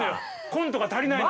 コントが足りない！